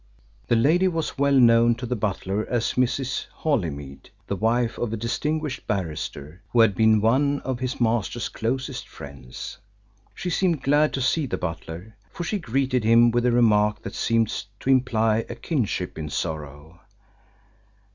The lady was well known to the butler as Mrs. Holymead, the wife of a distinguished barrister, who had been one of his master's closest friends. She seemed glad to see the butler, for she greeted him with a remark that seemed to imply a kinship in sorrow.